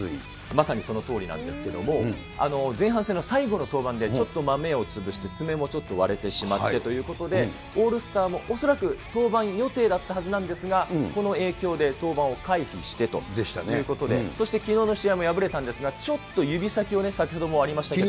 まさにそのとおりなんですけれども、前半戦の最後の登板でちょっとマメを潰して、爪もちょっと割れてしまってということで、オールスターも恐らく登板予定だったはずなんですが、この影響で登板を回避してということで、そしてきのうの試合も敗れたんですが、ちょっと指先を、先ほども気にしてましたよね。